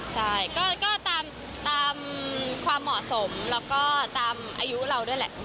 ใช่ก็ตามความเหมาะสมแล้วก็ตามอายุเราด้วยแหละ